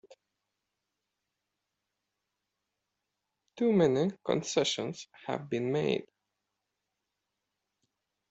Too many concessions have been made!